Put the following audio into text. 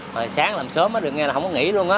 mà sáng làm sớm á được nghe là không có nghỉ luôn á